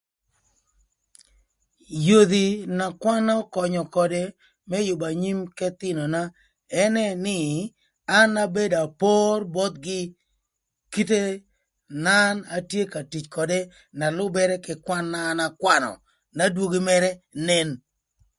Yodhi na kwan ökönyö ködë më yübö anyim k'ëthïnöna ënë nï an abedo apor bothgï kite na an atye ka tic ködë na lübërë kï kwan na an akwanö n'adwogi mërë nen.